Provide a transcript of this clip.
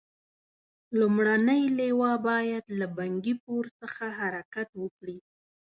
لومړنۍ لواء باید له بنکي پور څخه حرکت وکړي.